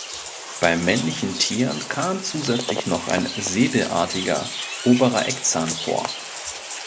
Bei männlichen Tieren kam zusätzlich noch ein säbelartiger oberer Eckzahn vor.